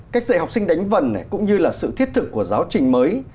cánh vần cũng như là sự thiết thực của giáo trình mới